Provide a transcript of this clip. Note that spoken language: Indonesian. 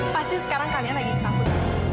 pasti sekarang kalian lagi ketakutan